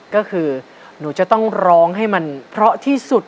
ก็คือหนูจะต้องร้องให้มันเพราะที่สุด